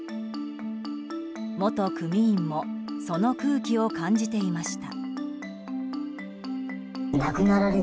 元組員もその空気を感じていました。